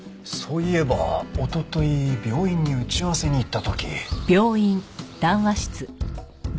そういえばおととい病院に打ち合わせに行った時。